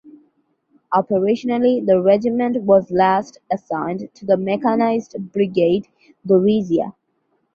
Operationally the regiment was last assigned to the Mechanized Brigade "Gorizia".